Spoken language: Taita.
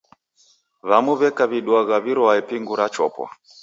W'amu w'eka w'iduagha w'irwae pingu rachopwa.